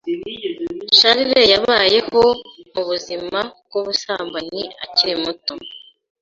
Charles yabayeho mubuzima bwubusambanyi akiri muto.